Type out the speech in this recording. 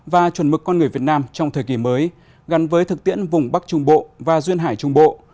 và chuẩn mực con người việt nam trong thời kỳ mới gắn với thực tiễn vùng bắc trung bộ và duyên hải trung bộ